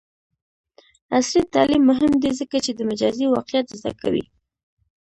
عصري تعلیم مهم دی ځکه چې د مجازی واقعیت زدکړه کوي.